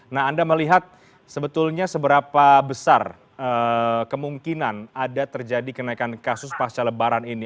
nah anda melihat sebetulnya seberapa besar kemungkinan ada terjadi kenaikan kasus pasca lebaran ini